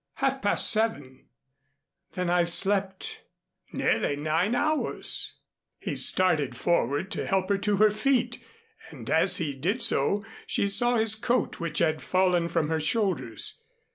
"Half past seven." "Then I've slept " "Nearly nine hours." He started forward to help her to her feet and as he did so, she saw his coat, which had fallen from her shoulders.